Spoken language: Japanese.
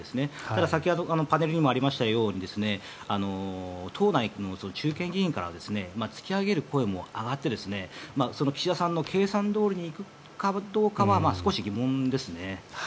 ただ、先ほどパネルにもありましたように党内の中堅議員からは突き上げる声も上がって岸田さんの計算どおりにいくかどうかは少し疑問ですね。